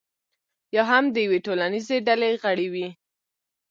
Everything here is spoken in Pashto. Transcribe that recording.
یا هم د یوې ټولنیزې ډلې غړی وي.